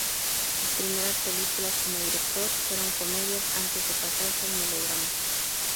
Sus primeras películas como director fueron comedias, antes de pasarse al melodrama.